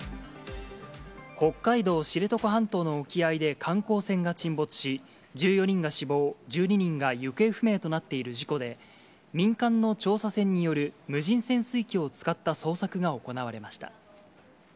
北海道知床半島の沖合で観光船が沈没し、１４人が死亡、１２人が行方不明となっている事故で、民間の調査船による無人潜水機を使った捜索が行われました。